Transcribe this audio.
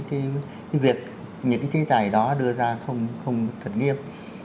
cái việc những cái chế tài đó đưa ra không thật nghiêm